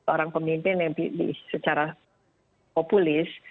orang pemimpin yang secara populis